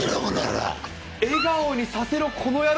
笑顔にさせろ、この野郎。